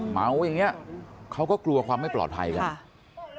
เหมาอย่างนี้เขาก็กลัวความไม่ปลอดภัยกัน